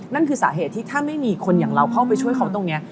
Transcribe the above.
นั่นคือสาเหตุที่ถ้าไม่มีคนอย่างเราเข้าไปช่วยเขาตรงนี้